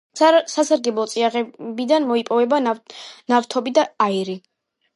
სასარგებლო წიაღისეულიდან მოიპოვება ნავთობი და აირი.